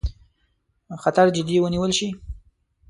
خطر جدي ونیول شي.